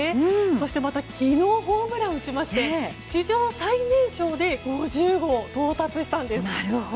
そしてまた昨日ホームランを打ちまして史上最年少で５０号に到達したんです。